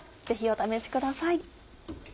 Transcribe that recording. ぜひお試しください。